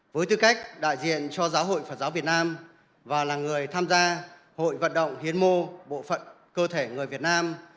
với tư cách đại diện cho giáo hội phật giáo việt nam và là người tham gia hội vận động hiến mô bộ phận cơ thể người việt nam